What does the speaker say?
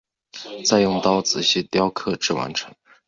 再用刀仔细雕刻至完成。